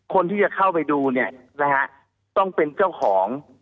คนที่จะเข้าไปดูเนี่ยนะฮะต้องเป็นเจ้าของ